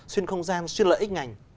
xuyên không gian xuyên lợi ích ngành